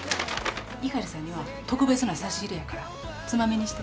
碇さんには特別な差し入れやからつまみにして。